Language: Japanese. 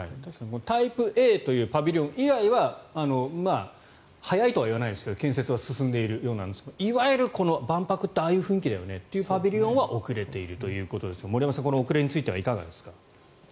タイプＡというパビリオン以外はまあ早いとは言わないですけど建設は進んでいるようですがいわゆる万博ってああいう雰囲気だよねというパビリオンは遅れているということですが森山さん遅れについてはいかがですか。